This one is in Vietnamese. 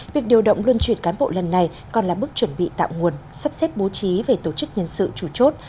việc điều động luân truyền cán bộ lần này còn là bước chuẩn bị tạo nguồn sắp xếp bố trí về tổ chức nhân sự chủ chốt